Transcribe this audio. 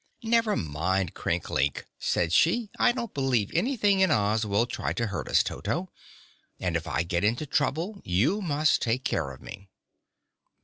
"Never mind Crinklink," said she. "I don't believe anything in Oz will try to hurt us, Toto, and if I get into trouble you must take care of me."